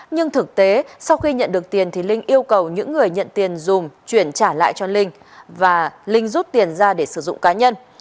nhưng thực tế sau khi nhận được tiền linh yêu cầu những người nhận tiền dùm chuyển trả lại cho linh và linh rút tiền ra để sử dụng cá nhân